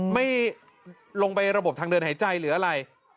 ไม่ลงไประบบทางเดินหายใจหรืออะไร